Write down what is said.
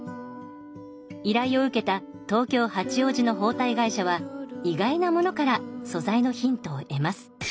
依頼を受けた東京・八王子の包帯会社は意外なものから素材のヒントを得ます。